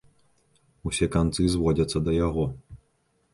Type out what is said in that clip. Усе канцы зводзяцца да яго.